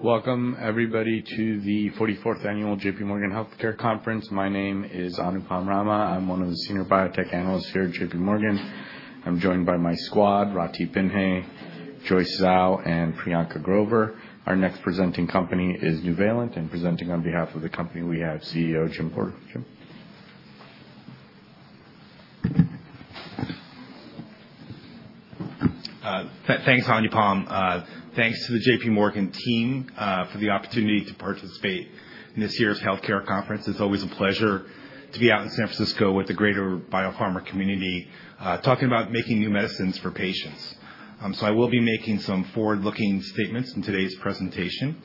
Welcome, everybody, to the 44th Annual JPMorgan Healthcare Conference. My name is Anupam Rama. I'm one of the Senior Biotech Analysts here at JPMorgan. I'm joined by my squad, Rathi Pillai, Joyce Zhao, and Priyanka Grover. Our next presenting company is Nuvalent, and presenting on behalf of the company we have CEO Jim Porter. Jim. Thanks, Anupam. Thanks to the J.P. Morgan team for the opportunity to participate in this year's healthcare conference. It's always a pleasure to be out in San Francisco with the greater biopharma community talking about making new medicines for patients, so I will be making some forward-looking statements in today's presentation.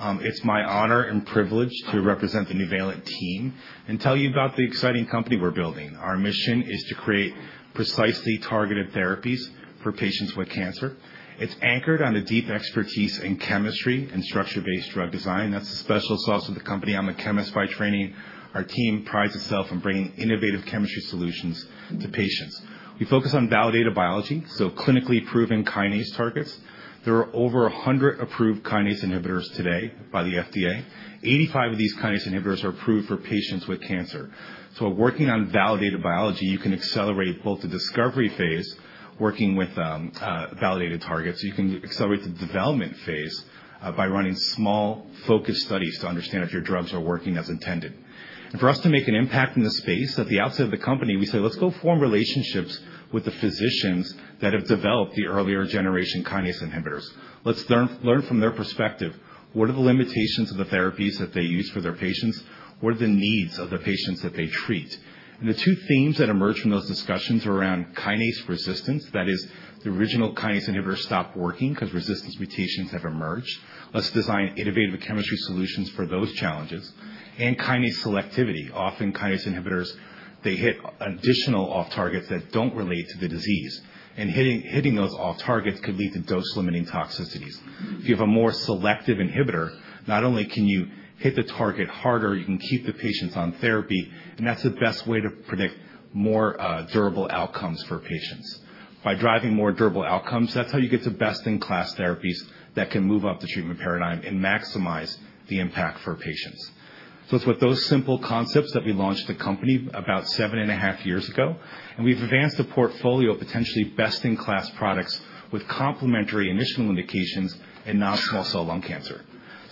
It's my honor and privilege to represent the Nuvalent team and tell you about the exciting company we're building. Our mission is to create precisely targeted therapies for patients with cancer. It's anchored on a deep expertise in chemistry and structure-based drug design. That's the special sauce of the company. I'm a chemist by training. Our team prides itself on bringing innovative chemistry solutions to patients. We focus on validated biology, so clinically proven kinase targets. There are over 100 approved kinase inhibitors today by the FDA. 85 of these kinase inhibitors are approved for patients with cancer. So, working on validated biology, you can accelerate both the discovery phase, working with validated targets. You can accelerate the development phase by running small, focused studies to understand if your drugs are working as intended. And for us to make an impact in this space, at the outset of the company, we say, let's go form relationships with the physicians that have developed the earlier generation kinase inhibitors. Let's learn from their perspective. What are the limitations of the therapies that they use for their patients? What are the needs of the patients that they treat? And the two themes that emerge from those discussions are around kinase resistance, that is, the original kinase inhibitors stopped working because resistance mutations have emerged. Let's design innovative chemistry solutions for those challenges. And kinase selectivity, often kinase inhibitors, they hit additional off-targets that don't relate to the disease. Hitting those off-targets could lead to dose-limiting toxicities. If you have a more selective inhibitor, not only can you hit the target harder, you can keep the patients on therapy, and that's the best way to predict more durable outcomes for patients. By driving more durable outcomes, that's how you get to best-in-class therapies that can move up the treatment paradigm and maximize the impact for patients. It's with those simple concepts that we launched the company about seven and a half years ago. We've advanced a portfolio of potentially best-in-class products with complementary initial indications in non-small cell lung cancer.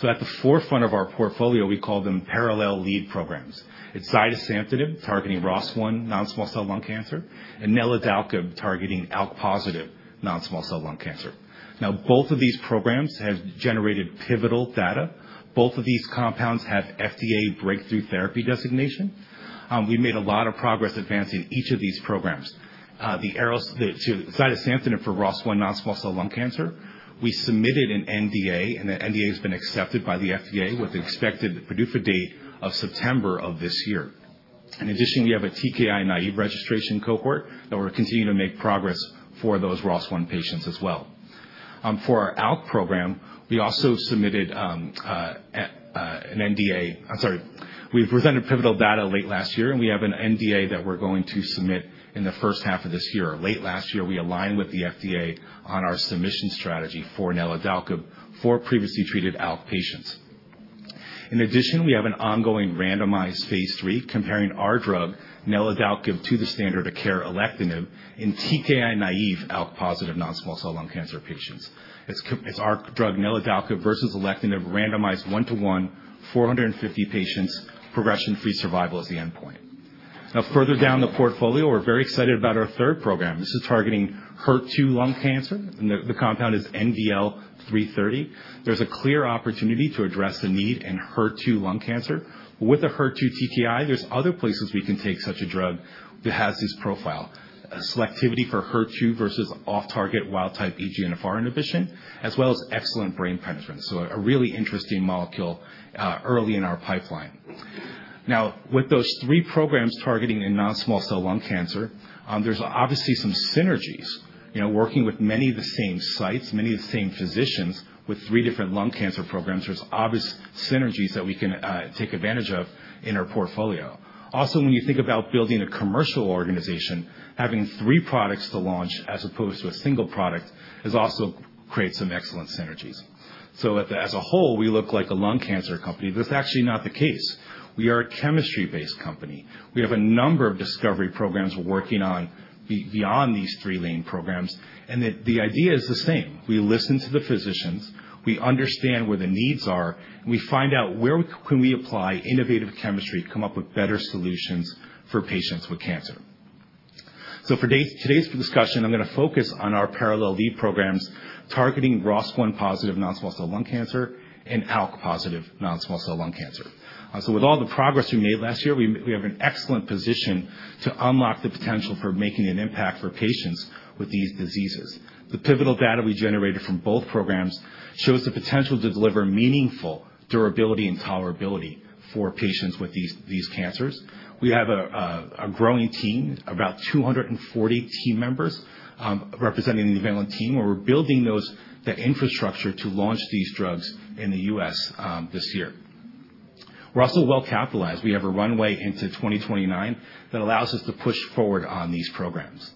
At the forefront of our portfolio, we call them parallel lead programs. It's zidesamtinib targeting ROS1 non-small cell lung cancer and NVL-655 targeting ALK-positive non-small cell lung cancer. Now, both of these programs have generated pivotal data. Both of these compounds have FDA Breakthrough Therapy Designation. We've made a lot of progress advancing each of these programs. The zidesamtinib for ROS1 non-small cell lung cancer, we submitted an NDA, and the NDA has been accepted by the FDA with the expected PDUFA date of September of this year. In addition, we have a TKI-naive registration cohort that we're continuing to make progress for those ROS1 patients as well. For our ALK program, we also submitted an NDA. I'm sorry. We've presented pivotal data late last year, and we have an NDA that we're going to submit in the first half of this year. Late last year, we aligned with the FDA on our submission strategy for NVL-655 for previously treated ALK patients. In addition, we have an ongoing randomized phase 3 comparing our drug, NVL-655, to the standard of care alectinib in TKI-naive ALK-positive non-small cell lung cancer patients. It's our drug, NVL-655 versus alectinib, randomized one-to-one, 450 patients, progression-free survival as the endpoint. Now, further down the portfolio, we're very excited about our third program. This is targeting HER2 lung cancer, and the compound is NVL-330. There's a clear opportunity to address the need in HER2 lung cancer. With the HER2 TKI, there's other places we can take such a drug that has this profile: selectivity for HER2 versus off-target wild-type EGFR inhibition, as well as excellent brain penetration. So a really interesting molecule early in our pipeline. Now, with those three programs targeting in non-small cell lung cancer, there's obviously some synergies. Working with many of the same sites, many of the same physicians with three different lung cancer programs, there's obvious synergies that we can take advantage of in our portfolio. Also, when you think about building a commercial organization, having three products to launch as opposed to a single product also creates some excellent synergies, so as a whole, we look like a lung cancer company. That's actually not the case. We are a chemistry-based company. We have a number of discovery programs we're working on beyond these three-lane programs, and the idea is the same. We listen to the physicians. We understand where the needs are. We find out where can we apply innovative chemistry, come up with better solutions for patients with cancer. So for today's discussion, I'm going to focus on our parallel lead programs targeting ROS1 positive non-small cell lung cancer and ALK-positive non-small cell lung cancer. So with all the progress we made last year, we have an excellent position to unlock the potential for making an impact for patients with these diseases. The pivotal data we generated from both programs shows the potential to deliver meaningful durability and tolerability for patients with these cancers. We have a growing team, about 240 team members representing the Nuvalent team, where we're building that infrastructure to launch these drugs in the U.S. this year. We're also well-capitalized. We have a runway into 2029 that allows us to push forward on these programs.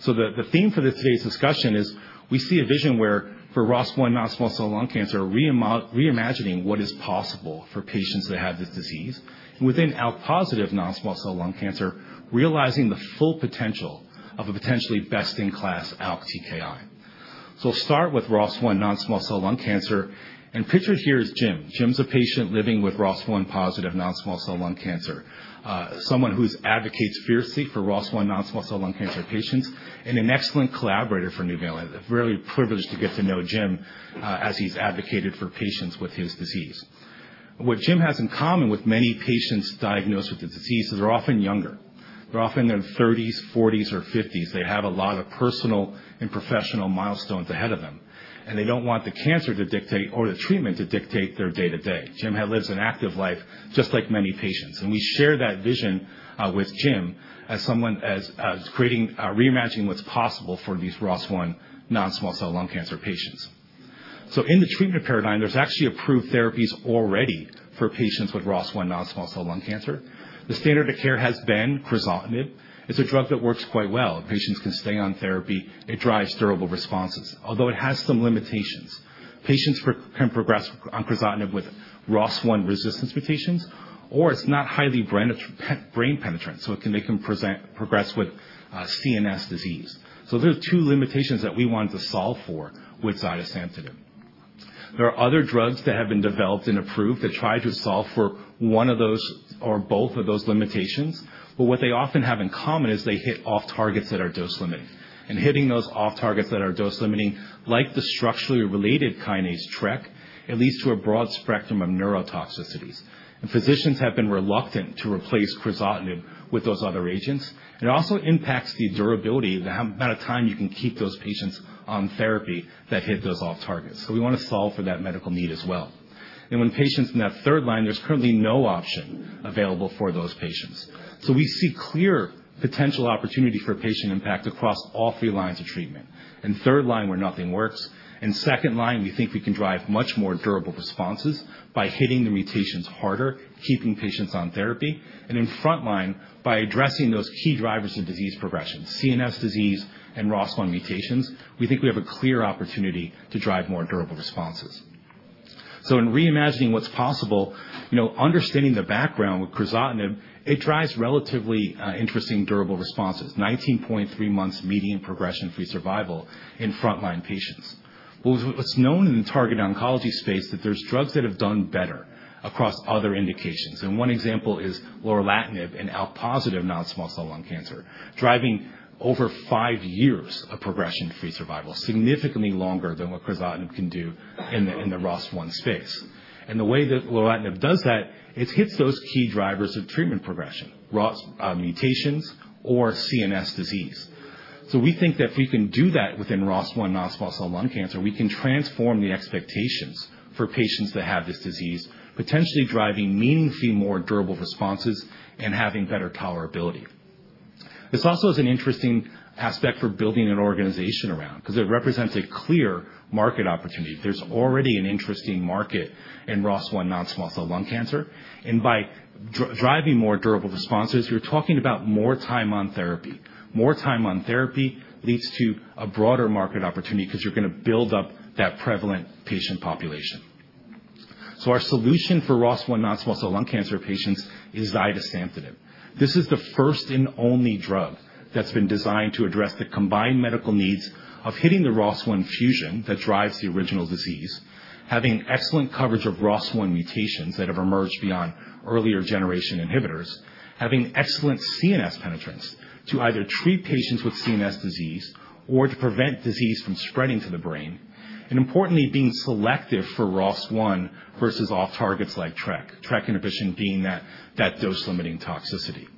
So the theme for today's discussion is we see a vision where for ROS1 non-small cell lung cancer, reimagining what is possible for patients that have this disease. And within ALK-positive non-small cell lung cancer, realizing the full potential of a potentially best-in-class ALK TKI. So we'll start with ROS1 non-small cell lung cancer. And pictured here is Jim. Jim's a patient living with ROS1 positive non-small cell lung cancer, someone who advocates fiercely for ROS1 non-small cell lung cancer patients, and an excellent collaborator for Nuvalent. I'm really privileged to get to know Jim as he's advocated for patients with his disease. What Jim has in common with many patients diagnosed with the disease is they're often younger. They're often in their 30s, 40s, or 50s. They have a lot of personal and professional milestones ahead of them. And they don't want the cancer to dictate or the treatment to dictate their day-to-day. Jim lives an active life just like many patients. And we share that vision with Jim as creating a reimagining what's possible for these ROS1 non-small cell lung cancer patients. So in the treatment paradigm, there's actually approved therapies already for patients with ROS1 non-small cell lung cancer. The standard of care has been crizotinib. It's a drug that works quite well. Patients can stay on therapy. It drives durable responses, although it has some limitations. Patients can progress on crizotinib with ROS1 resistance mutations, or it's not highly brain penetrant, so they can progress with CNS disease. So there are two limitations that we wanted to solve for with zidesamtinib. There are other drugs that have been developed and approved that try to solve for one of those or both of those limitations. But what they often have in common is they hit off-targets that are dose-limiting. Hitting those off-targets that are dose-limiting, like the structurally related kinase TRK, leads to a broad spectrum of neurotoxicities. Physicians have been reluctant to replace crizotinib with those other agents. It also impacts the durability, the amount of time you can keep those patients on therapy that hit those off-targets. We want to solve for that medical need as well. When patients are in that third line, there's currently no option available for those patients. We see clear potential opportunity for patient impact across all three lines of treatment. In third line, where nothing works. In second line, we think we can drive much more durable responses by hitting the mutations harder, keeping patients on therapy. In front line, by addressing those key drivers of disease progression, CNS disease and ROS1 mutations, we think we have a clear opportunity to drive more durable responses. In reimagining what's possible, understanding the background with crizotinib, it drives relatively interesting durable responses, 19.3 months median progression-free survival in front-line patients. It's known in the target oncology space that there's drugs that have done better across other indications. One example is lorlatinib in ALK-positive non-small cell lung cancer, driving over five years of progression-free survival, significantly longer than what crizotinib can do in the ROS1 space. The way that lorlatinib does that, it hits those key drivers of treatment progression, ROS1 mutations or CNS disease. So we think that if we can do that within ROS1 non-small cell lung cancer, we can transform the expectations for patients that have this disease, potentially driving meaningfully more durable responses and having better tolerability. This also is an interesting aspect for building an organization around because it represents a clear market opportunity. There's already an interesting market in ROS1 non- small cell lung cancer. And by driving more durable responses, you're talking about more time on therapy. More time on therapy leads to a broader market opportunity because you're going to build up that prevalent patient population. So our solution for ROS1 non-small cell lung cancer patients is Zidesamtinib. This is the first and only drug that's been designed to address the combined medical needs of hitting the ROS1 fusion that drives the original disease, having excellent coverage of ROS1 mutations that have emerged beyond earlier generation inhibitors, having excellent CNS penetration to either treat patients with CNS disease or to prevent disease from spreading to the brain, and importantly, being selective for ROS1 versus off-targets like TRK, TRK inhibition being that dose-limiting toxicity.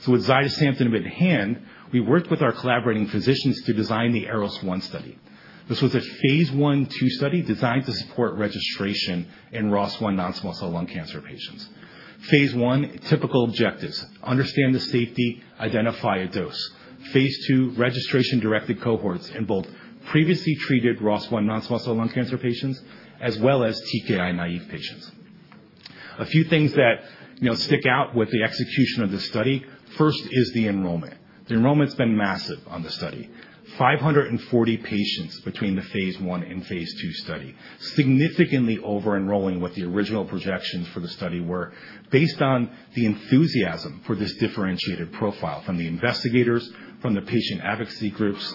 So with Zidesamtinib at hand, we worked with our collaborating physicians to design the AROS-1 study. This was a phase 1/2 study designed to support registration in ROS1 non-small cell lung cancer patients. Phase 1, typical objectives: understand the safety, identify a dose. Phase 2, registration-directed cohorts in both previously treated ROS1 non-small cell lung cancer patients as well as TKI-naïve patients. A few things that stick out with the execution of the study. First is the enrollment. The enrollment's been massive on the study, 540 patients between the phase one and phase two study, significantly over-enrolling what the original projections for the study were based on the enthusiasm for this differentiated profile from the investigators, from the patient advocacy groups.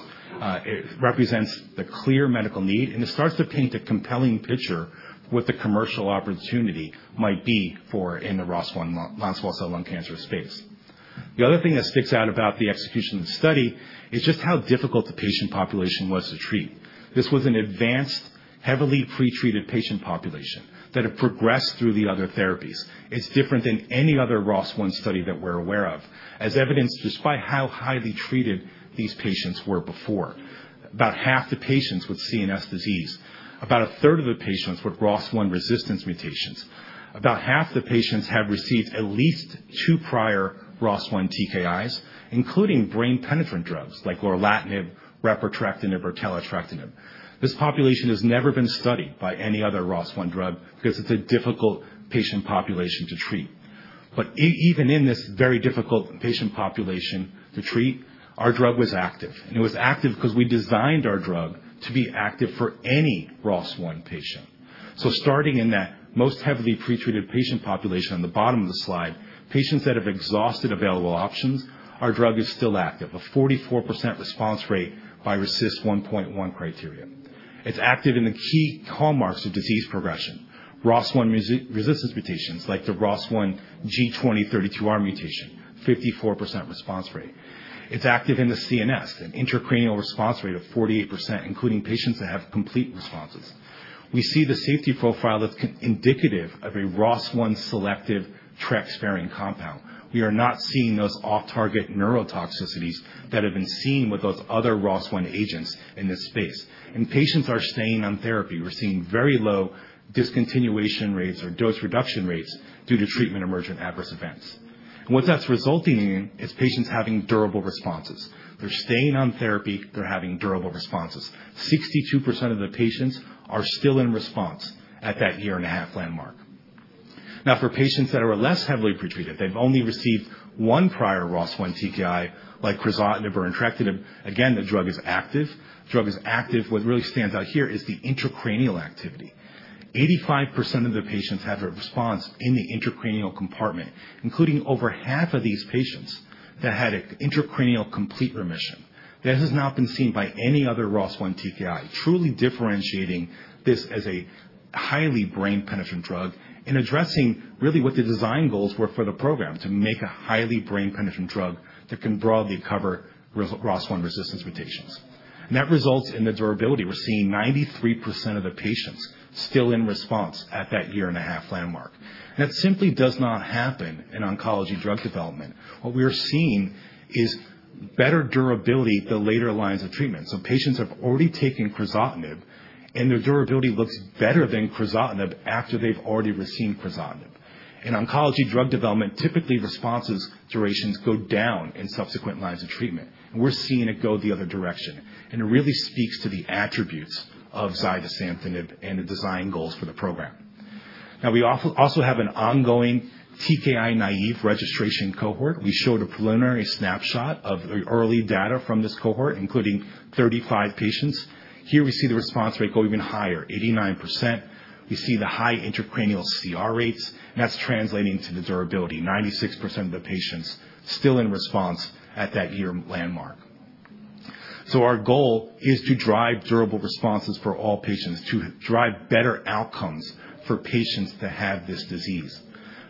It represents the clear medical need, and it starts to paint a compelling picture of what the commercial opportunity might be for in the ROS1 non-small cell lung cancer space. The other thing that sticks out about the execution of the study is just how difficult the patient population was to treat. This was an advanced, heavily pretreated patient population that had progressed through the other therapies. It's different than any other ROS1 study that we're aware of, as evidenced just by how highly treated these patients were before. About half the patients with CNS disease, about a third of the patients with ROS1 resistance mutations, about half the patients have received at least two prior ROS1 TKIs, including brain penetrant drugs like lorlatinib, repotrectinib, or taletrectinib. This population has never been studied by any other ROS1 drug because it's a difficult patient population to treat. Even in this very difficult patient population to treat, our drug was active. It was active because we designed our drug to be active for any ROS1 patient. Starting in that most heavily pretreated patient population on the bottom of the slide, patients that have exhausted available options, our drug is still active, a 44% response rate by RECIST 1.1 criteria. It's active in the key hallmarks of disease progression, ROS1 resistance mutations like the ROS1 G2032R mutation, 54% response rate. It's active in the CNS, an intracranial response rate of 48%, including patients that have complete responses. We see the safety profile that's indicative of a ROS1 selective TRK sparing compound. We are not seeing those off-target neurotoxicities that have been seen with those other ROS1 agents in this space. And patients are staying on therapy. We're seeing very low discontinuation rates or dose reduction rates due to treatment emergent adverse events. And what that's resulting in is patients having durable responses. They're staying on therapy. They're having durable responses. 62% of the patients are still in response at that year-and-a-half landmark. Now, for patients that are less heavily pretreated, they've only received one prior ROS1 TKI like Crizotinib or Entrectinib. Again, the drug is active. What really stands out here is the intracranial activity. 85% of the patients have a response in the intracranial compartment, including over half of these patients that had an intracranial complete remission. That has not been seen by any other ROS1 TKI, truly differentiating this as a highly brain-penetrant drug and addressing really what the design goals were for the program to make a highly brain-penetrant drug that can broadly cover ROS1 resistance mutations. And that results in the durability. We're seeing 93% of the patients still in response at that year-and-a-half landmark. And that simply does not happen in oncology drug development. What we are seeing is better durability at the later lines of treatment. So patients have already taken crizotinib, and their durability looks better than crizotinib after they've already received crizotinib. In oncology drug development, typically responses' durations go down in subsequent lines of treatment. And we're seeing it go the other direction. It really speaks to the attributes of Zidesamtinib and the design goals for the program. Now, we also have an ongoing TKI Naive registration cohort. We showed a preliminary snapshot of the early data from this cohort, including 35 patients. Here, we see the response rate go even higher, 89%. We see the high intracranial CR rates. And that's translating to the durability, 96% of the patients still in response at that year landmark. So our goal is to drive durable responses for all patients, to drive better outcomes for patients that have this disease.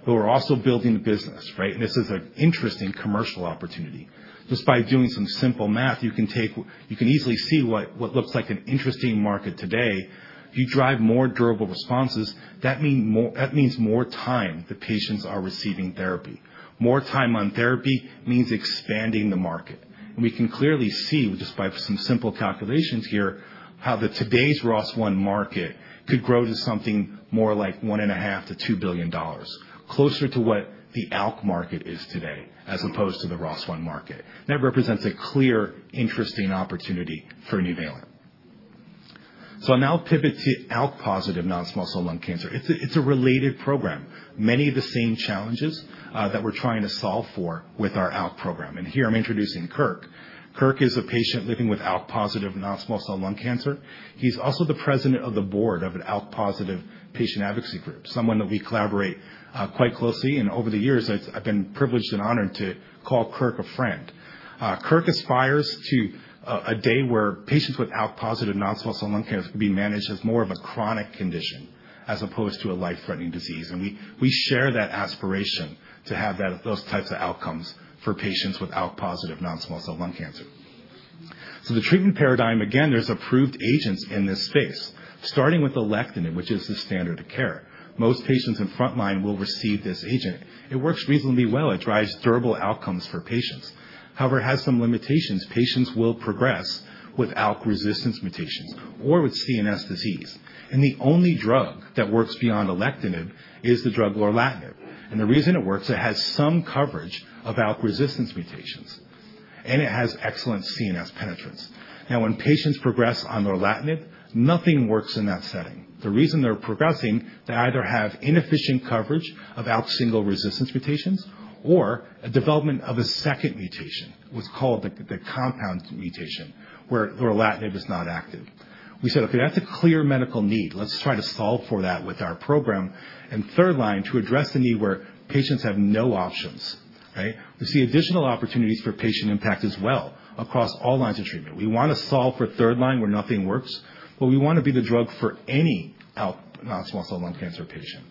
But we're also building the business, right? And this is an interesting commercial opportunity. Just by doing some simple math, you can easily see what looks like an interesting market today. If you drive more durable responses, that means more time the patients are receiving therapy. More time on therapy means expanding the market. We can clearly see, just by some simple calculations here, how today's ROS1 market could grow to something more like $1.5 billion-$2 billion, closer to what the ALK market is today as opposed to the ROS1 market. That represents a clear, interesting opportunity for Nuvalent. I'll now pivot to ALK-positive non-small cell lung cancer. It's a related program, many of the same challenges that we're trying to solve for with our ALK program. Here, I'm introducing Kirk. Kirk is a patient living with ALK-positive non-small cell lung cancer. He's also the president of the board of an ALK-positive patient advocacy group, someone that we collaborate quite closely. Over the years, I've been privileged and honored to call Kirk a friend. Kirk aspires to a day where patients with ALK-positive non-small cell lung cancer can be managed as more of a chronic condition as opposed to a life-threatening disease, and we share that aspiration to have those types of outcomes for patients with ALK-positive non-small cell lung cancer, so the treatment paradigm, again, there's approved agents in this space, starting with alectinib, which is the standard of care. Most patients in front line will receive this agent. It works reasonably well. It drives durable outcomes for patients. However, it has some limitations. Patients will progress with ALK resistance mutations or with CNS disease, and the only drug that works beyond alectinib is the drug lorlatinib, and the reason it works, it has some coverage of ALK resistance mutations, and it has excellent CNS penetration. Now, when patients progress on lorlatinib, nothing works in that setting. The reason they're progressing, they either have inefficient coverage of ALK single resistance mutations or a development of a second mutation, what's called the compound mutation, where Lorlatinib is not active. We said, "Okay, that's a clear medical need. Let's try to solve for that with our program." Third line, to address the need where patients have no options, right? We see additional opportunities for patient impact as well across all lines of treatment. We want to solve for third line where nothing works, but we want to be the drug for any ALK non-small cell lung cancer patient.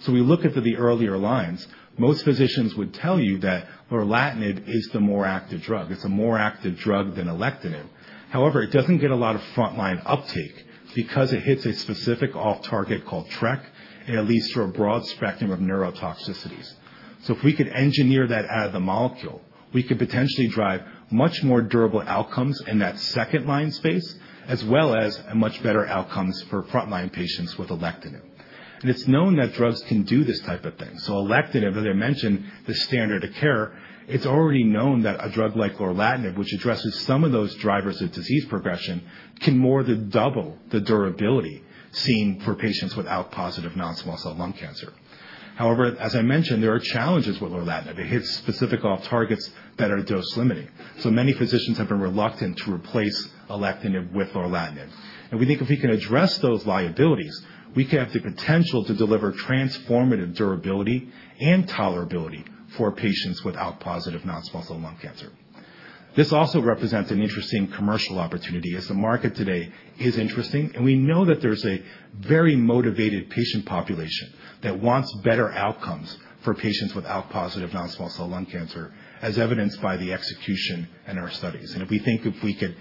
So we look at the earlier lines. Most physicians would tell you that Lorlatinib is the more active drug. It's a more active drug than alectinib. However, it doesn't get a lot of front-line uptake because it hits a specific off-target called TRK, and it leads to a broad spectrum of neurotoxicities. So if we could engineer that out of the molecule, we could potentially drive much more durable outcomes in that second line space, as well as much better outcomes for front-line patients with alectinib. And it's known that drugs can do this type of thing. So alectinib, as I mentioned, the standard of care, it's already known that a drug like lorlatinib, which addresses some of those drivers of disease progression, can more than double the durability seen for patients with ALK-positive non-small cell lung cancer. However, as I mentioned, there are challenges with lorlatinib. It hits specific off-targets that are dose-limiting. So many physicians have been reluctant to replace alectinib with lorlatinib. And we think if we can address those liabilities, we could have the potential to deliver transformative durability and tolerability for patients with ALK-positive non-small cell lung cancer. This also represents an interesting commercial opportunity as the market today is interesting. And we know that there's a very motivated patient population that wants better outcomes for patients with ALK-positive non-small cell lung cancer, as evidenced by the execution in our studies. And if we think if we could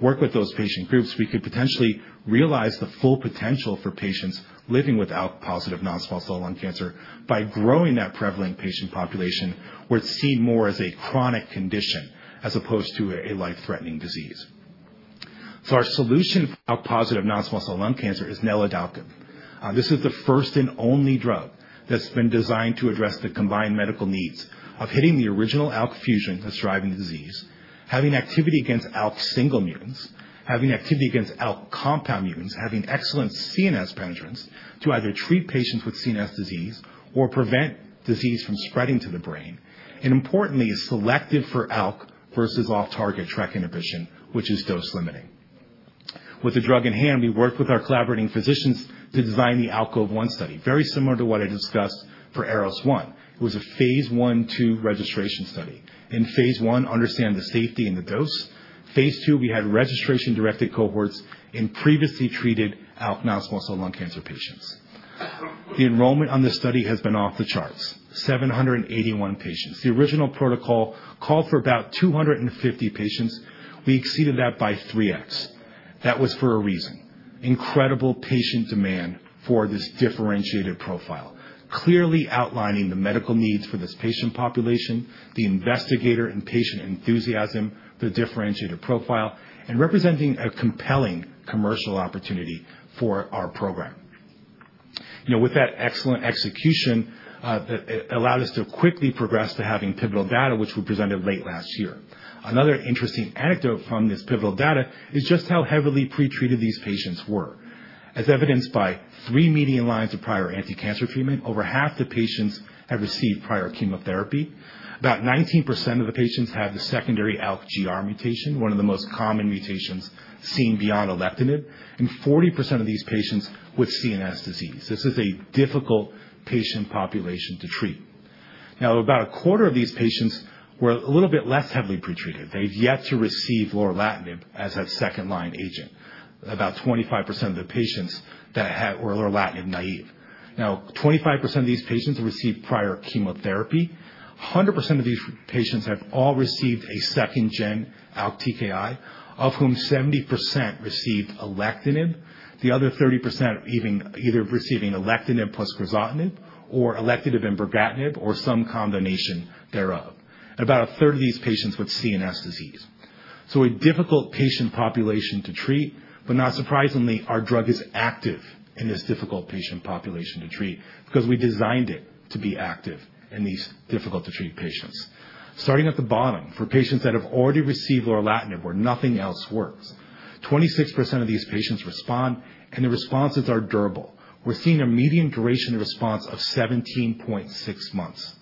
work with those patient groups, we could potentially realize the full potential for patients living with ALK-positive non-small cell lung cancer by growing that prevalent patient population where it's seen more as a chronic condition as opposed to a life-threatening disease. So our solution for ALK-positive non-small cell lung cancer is NVL-655. This is the first and only drug that's been designed to address the combined medical needs of hitting the original ALK fusion that's driving the disease, having activity against ALK single mutants, having activity against ALK compound mutants, having excellent CNS penetrants to either treat patients with CNS disease or prevent disease from spreading to the brain, and importantly, is selective for ALK versus off- target TREK inhibition, which is dose-limiting. With the drug in hand, we worked with our collaborating physicians to design the ALK0VE-1 study, very similar to what I discussed for ROS1. It was a phase one two registration study. In phase one, understand the safety and the dose. Phase two, we had registration-directed cohorts in previously treated ALK non-small cell lung cancer patients. The enrollment on this study has been off the charts, 781 patients. The original protocol called for about 250 patients. We exceeded that by 3x. That was for a reason: incredible patient demand for this differentiated profile, clearly outlining the medical needs for this patient population, the investigator and patient enthusiasm, the differentiated profile, and representing a compelling commercial opportunity for our program. With that excellent execution, it allowed us to quickly progress to having pivotal data, which we presented late last year. Another interesting anecdote from this pivotal data is just how heavily pretreated these patients were. As evidenced by three median lines of prior anti-cancer treatment, over half the patients have received prior chemotherapy. About 19% of the patients have the secondary ALK G1202R mutation, one of the most common mutations seen beyond alectinib, and 40% of these patients with CNS disease. This is a difficult patient population to treat. Now, about a quarter of these patients were a little bit less heavily pretreated. They've yet to receive lorlatinib as a second-line agent. About 25% of the patients that had lorlatinib-naïve. Now, 25% of these patients received prior chemotherapy. 100% of these patients have all received a second-gen ALK TKI, of whom 70% received alectinib, the other 30% either receiving alectinib plus crizotinib or alectinib and brigatinib or some combination thereof. And about a third of these patients with CNS disease, so a difficult patient population to treat. But not surprisingly, our drug is active in this difficult patient population to treat because we designed it to be active in these difficult-to-treat patients. Starting at the bottom, for patients that have already received lorlatinib where nothing else works, 26% of these patients respond, and the responses are durable. We're seeing a median duration of response of 17.6 months.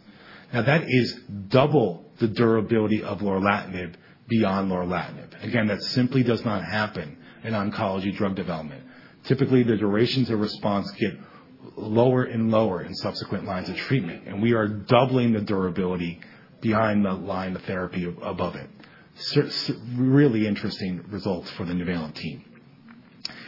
Now, that is double the durability of lorlatinib beyond lorlatinib. Again, that simply does not happen in oncology drug development. Typically, the durations of response get lower and lower in subsequent lines of treatment, and we are doubling the durability behind the line of therapy above it. Really interesting results for the Nuvalent team.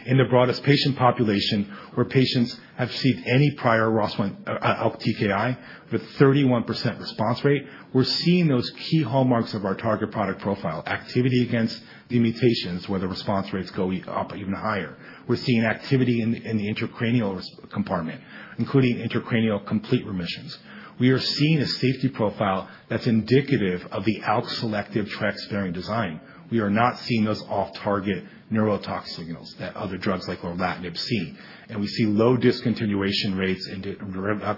In the broadest patient population where patients have received any prior ALK TKI with 31% response rate, we're seeing those key hallmarks of our target product profile: activity against the mutations where the response rates go up even higher. We're seeing activity in the intracranial compartment, including intracranial complete remissions. We are seeing a safety profile that's indicative of the ALK-selective TREK sparing design. We are not seeing those off-target neurotoxic signals that other drugs like lorlatinib see, and we see low discontinuation rates and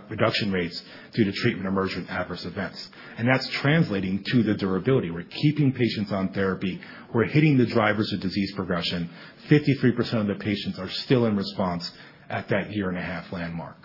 reduction rates due to treatment emergent adverse events, and that's translating to the durability. We're keeping patients on therapy. We're hitting the drivers of disease progression. 53% of the patients are still in response at that year-and-a-half landmark.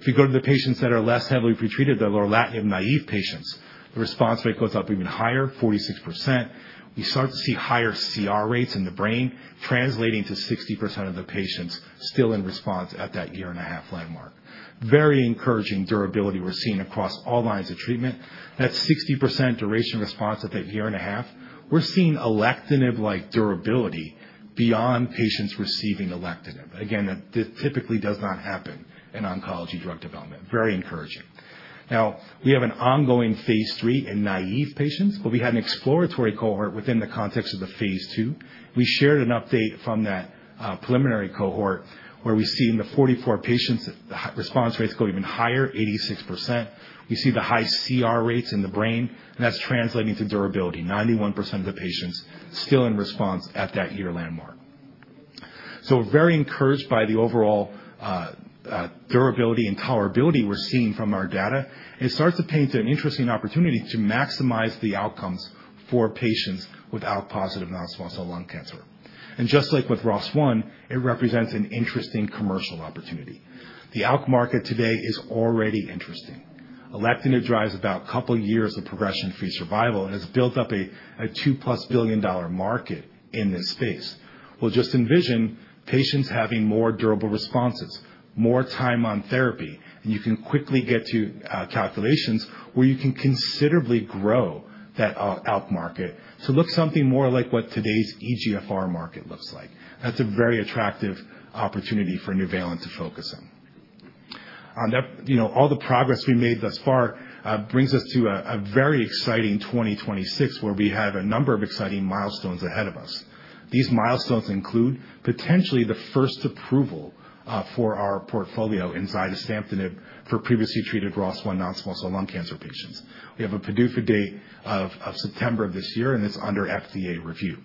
If we go to the patients that are less heavily pretreated, the lorlatinib-naive patients, the response rate goes up even higher, 46%. We start to see higher CR rates in the brain, translating to 60% of the patients still in response at that year-and-a-half landmark. Very encouraging durability we're seeing across all lines of treatment. That 60% duration of response at that year-and-a-half, we're seeing an alectinib-like durability beyond patients receiving the alectinib. Again, that typically does not happen in oncology drug development. Very encouraging. Now, we have an ongoing phase 3 in naive patients, but we had an exploratory cohort within the context of the phase 2. We shared an update from that preliminary cohort where we see in the 44 patients, the response rates go even higher, 86%. We see the high CR rates in the brain, and that's translating to durability, 91% of the patients still in response at that year landmark, so very encouraged by the overall durability and tolerability we're seeing from our data. It starts to paint an interesting opportunity to maximize the outcomes for patients with ALK-positive non-small cell lung cancer, and just like with ROS1, it represents an interesting commercial opportunity. The ALK market today is already interesting. Alectinib drives about a couple of years of progression-free survival and has built up a $2-plus billion market in this space. We'll just envision patients having more durable responses, more time on therapy, and you can quickly get to calculations where you can considerably grow that ALK market to look something more like what today's EGFR market looks like. That's a very attractive opportunity for Nuvalent to focus on. All the progress we made thus far brings us to a very exciting 2026 where we have a number of exciting milestones ahead of us. These milestones include potentially the first approval for our portfolio inside of Zidesamtinib for previously treated ROS1 non-small cell lung cancer patients. We have a PDUFA date of September of this year, and it's under FDA review.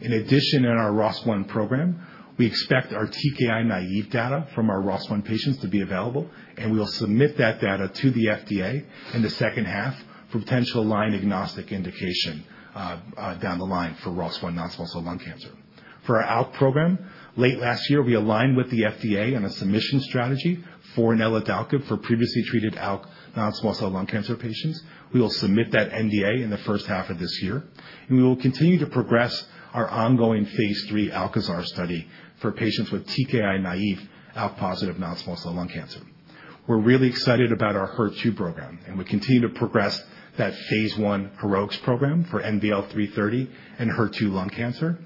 In addition, in our ROS1 program, we expect our TKI Naive data from our ROS1 patients to be available, and we'll submit that data to the FDA in the second half for potential line-agnostic indication down the line for ROS1 non-small cell lung cancer. For our ALK program, late last year, we aligned with the FDA on a submission strategy for NVL-655 for previously treated ALK non-small cell lung cancer patients. We will submit that NDA in the first half of this year. We will continue to progress our ongoing phase 3 ALK-AZURE study for patients with TKI-naïve ALK-positive non-small cell lung cancer. We're really excited about our HER2 program, and we continue to progress that phase 1 HEREXO program for NVL-330 and HER2 lung cancer.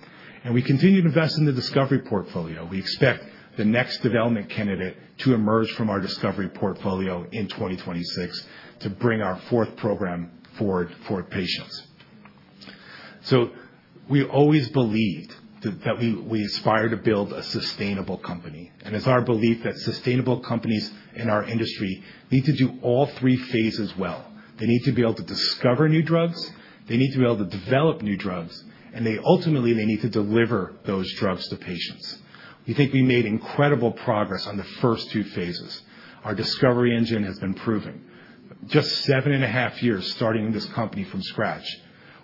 We continue to invest in the discovery portfolio. We expect the next development candidate to emerge from our discovery portfolio in 2026 to bring our fourth program forward for patients. We always believed that we aspire to build a sustainable company. It's our belief that sustainable companies in our industry need to do all three phases well. They need to be able to discover new drugs. They need to be able to develop new drugs. Ultimately, they need to deliver those drugs to patients. We think we made incredible progress on the first two phases. Our discovery engine has been proven. Just seven and a half years starting this company from scratch.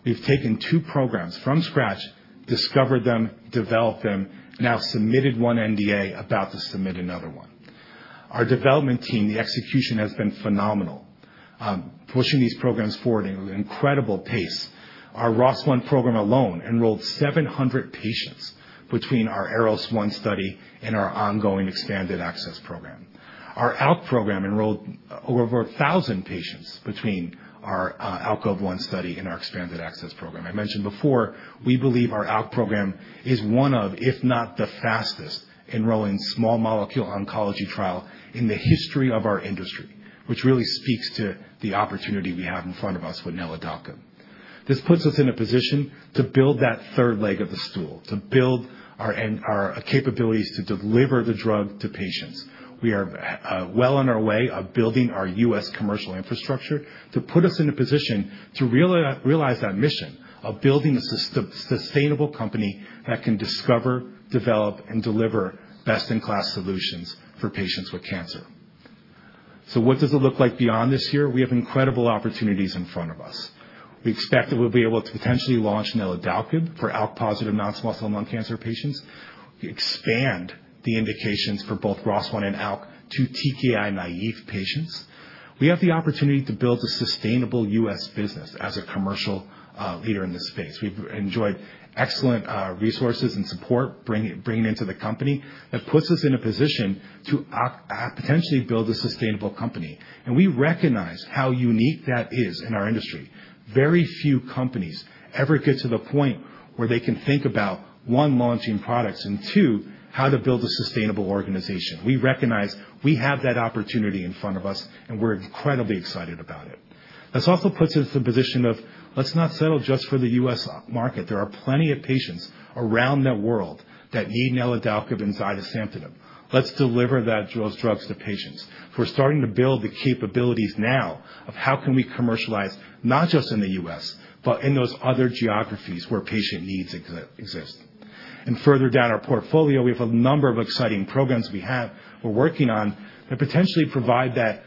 We've taken two programs from scratch, discovered them, developed them, now submitted one NDA about to submit another one. Our development team, the execution has been phenomenal, pushing these programs forward at an incredible pace. Our ROS1 program alone enrolled 700 patients between our ARROS-1 study and our ongoing expanded access program. Our ALK program enrolled over 1,000 patients between our ALK-OB1 study and our expanded access program. I mentioned before, we believe our ALK program is one of, if not the fastest, enrolling small molecule oncology trial in the history of our industry, which really speaks to the opportunity we have in front of us with NVL-655. This puts us in a position to build that third leg of the stool, to build our capabilities to deliver the drug to patients. We are well on our way of building our U.S. commercial infrastructure to put us in a position to realize that mission of building a sustainable company that can discover, develop, and deliver best-in-class solutions for patients with cancer. So what does it look like beyond this year? We have incredible opportunities in front of us. We expect that we'll be able to potentially launch NVL-655 for ALK-positive non-small cell lung cancer patients, expand the indications for both ROS1 and ALK to TKI-naïve patients. We have the opportunity to build a sustainable U.S. business as a commercial leader in this space. We've enjoyed excellent resources and support bringing into the company that puts us in a position to potentially build a sustainable company, and we recognize how unique that is in our industry. Very few companies ever get to the point where they can think about, one, launching products, and two, how to build a sustainable organization. We recognize we have that opportunity in front of us, and we're incredibly excited about it. This also puts us in a position of, let's not settle just for the U.S. market. There are plenty of patients around the world that need NVL-655 and zidesamtinib. Let's deliver those drugs to patients. We're starting to build the capabilities now of how can we commercialize not just in the U.S., but in those other geographies where patient needs exist, and further down our portfolio, we have a number of exciting programs we're working on that potentially provide that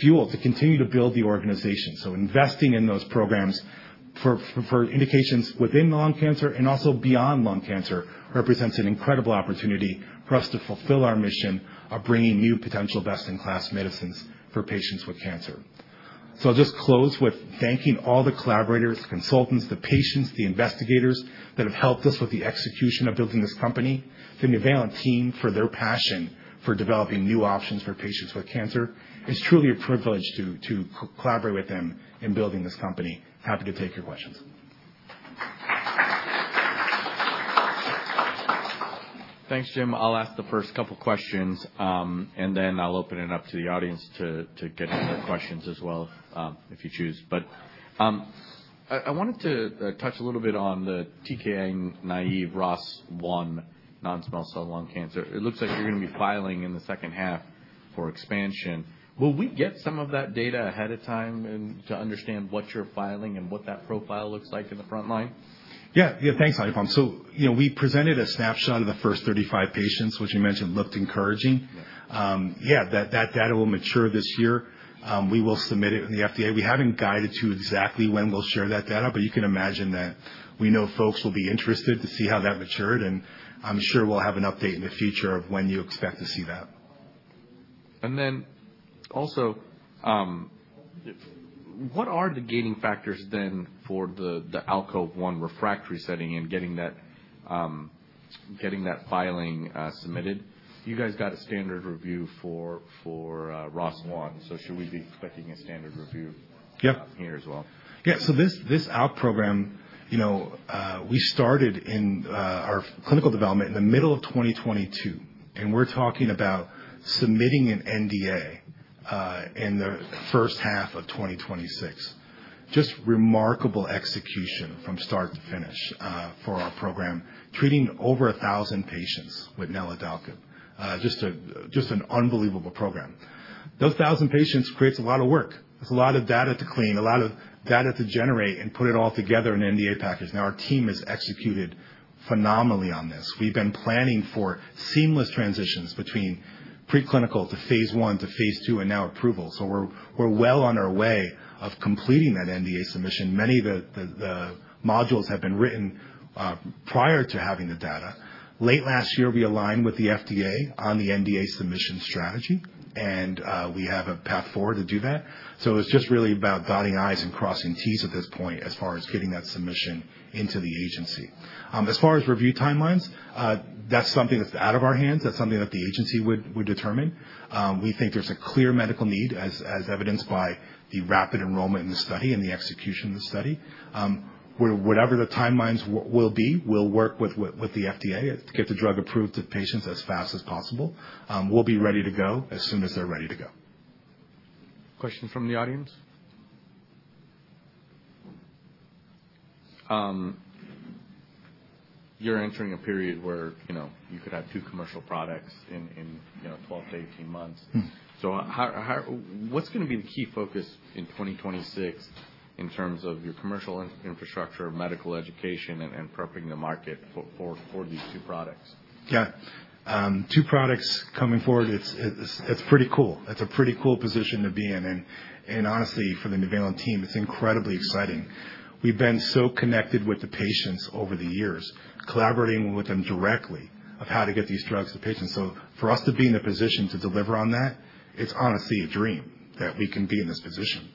fuel to continue to build the organization. So investing in those programs for indications within lung cancer and also beyond lung cancer represents an incredible opportunity for us to fulfill our mission of bringing new potential best-in-class medicines for patients with cancer. So I'll just close with thanking all the collaborators, consultants, the patients, the investigators that have helped us with the execution of building this company, the Nuvalent team for their passion for developing new options for patients with cancer. It's truly a privilege to collaborate with them in building this company. Happy to take your questions. Thanks, Jim. I'll ask the first couple of questions, and then I'll open it up to the audience to get their questions as well if you choose. But I wanted to touch a little bit on the TKI-naïve ROS1 non-small cell lung cancer. It looks like you're going to be filing in the second half for expansion. Will we get some of that data ahead of time to understand what you're filing and what that profile looks like in the front line? Yeah. Thanks, Anupam. So we presented a snapshot of the first 35 patients, which you mentioned looked encouraging. Yeah, that data will mature this year. We will submit it to the FDA. We haven't guided you exactly when we'll share that data, but you can imagine that we know folks will be interested to see how that matured. I'm sure we'll have an update in the future on when you can expect to see that. Then also, what are the gating factors then for the ALK-positive refractory setting and getting that filing submitted? You guys got a standard review for ROS1, so should we be expecting a standard review here as well? Yeah. So this ALK program, we started in our clinical development in the middle of 2022. And we're talking about submitting an NDA in the first half of 2026. Just remarkable execution from start to finish for our program, treating over 1,000 patients with NVL-655. Just an unbelievable program. Those 1,000 patients create a lot of work. That's a lot of data to clean, a lot of data to generate, and put it all together in an NDA package. Now, our team has executed phenomenally on this. We've been planning for seamless transitions between preclinical to phase one to phase two and now approval. So we're well on our way of completing that NDA submission. Many of the modules have been written prior to having the data. Late last year, we aligned with the FDA on the NDA submission strategy, and we have a path forward to do that. So it's just really about dotting i's and crossing t's at this point as far as getting that submission into the agency. As far as review timelines, that's something that's out of our hands. That's something that the agency would determine. We think there's a clear medical need, as evidenced by the rapid enrollment in the study and the execution of the study. Whatever the timelines will be, we'll work with the FDA to get the drug approved to patients as fast as possible. We'll be ready to go as soon as they're ready to go. Question from the audience? You're entering a period where you could have two commercial products in 12-18 months. So what's going to be the key focus in 2026 in terms of your commercial infrastructure, medical education, and prepping the market for these two products? Yeah. Two products coming forward, it's pretty cool. It's a pretty cool position to be in. And honestly, for the Nuvalent team, it's incredibly exciting. We've been so connected with the patients over the years, collaborating with them directly of how to get these drugs to patients. So for us to be in a position to deliver on that, it's honestly a dream that we can be in this position.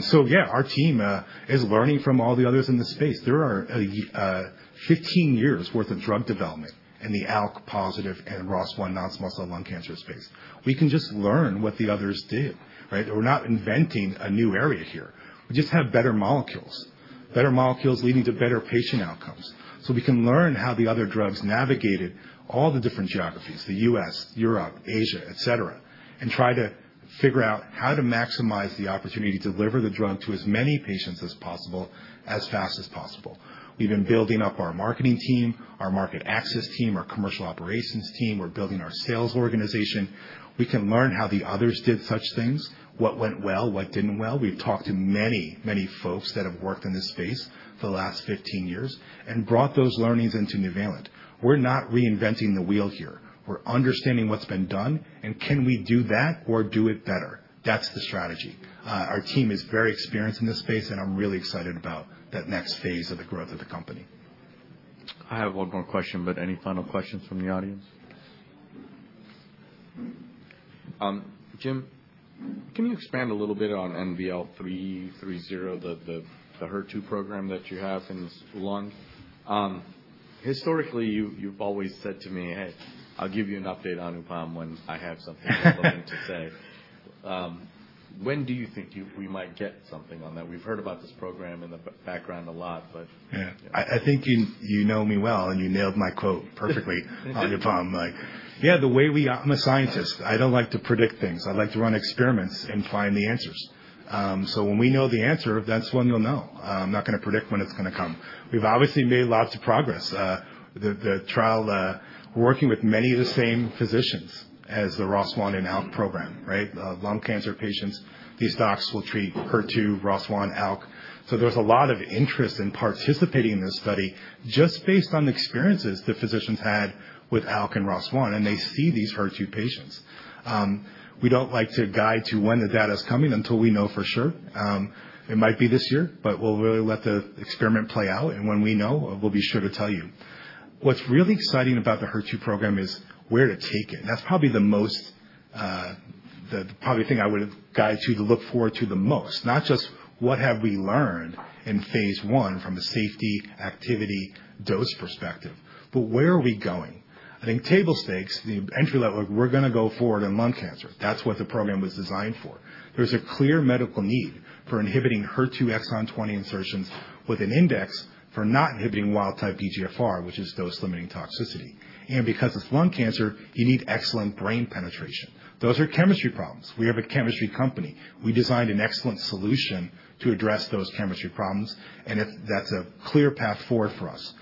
So yeah, our team is learning from all the others in this space. There are 15 years' worth of drug development in the ALK-positive and ROS1 non-small cell lung cancer space. We can just learn what the others did, right? We're not inventing a new area here. We just have better molecules, better molecules leading to better patient outcomes. So we can learn how the other drugs navigated all the different geographies, the U.S., Europe, Asia, etc., and try to figure out how to maximize the opportunity to deliver the drug to as many patients as possible as fast as possible. We've been building up our marketing team, our market access team, our commercial operations team. We're building our sales organization. We can learn how the others did such things, what went well, what didn't well. We've talked to many, many folks that have worked in this space for the last 15 years and brought those learnings into Nuvalent. We're not reinventing the wheel here. We're understanding what's been done, and can we do that or do it better? That's the strategy. Our team is very experienced in this space, and I'm really excited about that next phase of the growth of the company. I have one more question, but any final questions from the audience? Jim, can you expand a little bit on NVL-330, the HER2 program that you have in lung? Historically, you've always said to me, "Hey, I'll give you an update on the program when I have something to say." When do you think we might get something on that? We've heard about this program in the background a lot, but. Yeah. I think you know me well, and you nailed my quote perfectly on Anupam. Yeah, the way we, I'm a scientist. I don't like to predict things. I like to run experiments and find the answers. So when we know the answer, that's when you'll know. I'm not going to predict when it's going to come. We've obviously made lots of progress. The trial, we're working with many of the same physicians as the ROS1 and ALK program, right? Lung cancer patients, these docs will treat HER2, ROS1, ALK. So there's a lot of interest in participating in this study just based on the experiences the physicians had with ALK and ROS1, and they see these HER2 patients. We don't like to guide to when the data is coming until we know for sure. It might be this year, but we'll really let the experiment play out. When we know, we'll be sure to tell you. What's really exciting about the HER2 program is where to take it. That's probably the most, probably the thing I would have guided you to look forward to the most, not just what have we learned in phase one from a safety activity dose perspective, but where are we going? I think table stakes, the entry level, we're going to go forward in lung cancer. That's what the program was designed for. There's a clear medical need for inhibiting HER2 exon 20 insertions with an index for not inhibiting wild-type EGFR, which is dose-limiting toxicity. Because it's lung cancer, you need excellent brain penetration. Those are chemistry problems. We have a chemistry company. We designed an excellent solution to address those chemistry problems, and that's a clear path forward for us.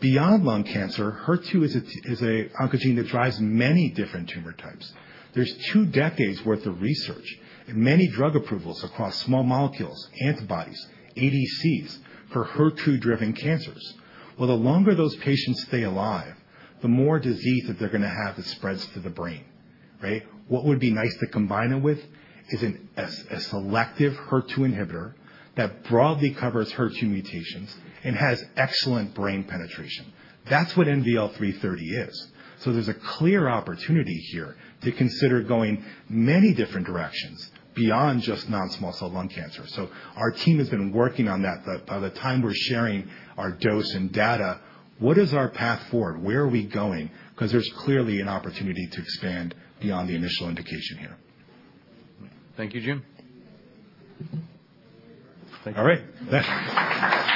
Beyond lung cancer, HER2 is an oncogene that drives many different tumor types. There's two decades' worth of research and many drug approvals across small molecules, antibodies, ADCs for HER2-driven cancers. The longer those patients stay alive, the more disease that they're going to have that spreads to the brain, right? What would be nice to combine it with is a selective HER2 inhibitor that broadly covers HER2 mutations and has excellent brain penetration. That's what NVL-330 is. There's a clear opportunity here to consider going many different directions beyond just non-small cell lung cancer. Our team has been working on that. By the time we're sharing our dose and data, what is our path forward? Where are we going? Because there's clearly an opportunity to expand beyond the initial indication here. Thank you, Jim. All right.